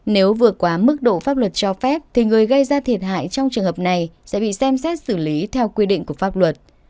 nếu vượt quá mức độ pháp luật cho phép thì người gây ra thiệt hại trong trường hợp này sẽ bị xem xét xử lý theo quy định của pháp luật